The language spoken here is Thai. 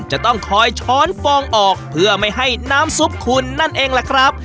จะต้องคอยช้อนฟองออกเพื่อไม่ให้น้ำซุปคุณนั่นเองล่ะครับ